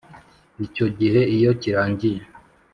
icyo gihe iyo kirangiye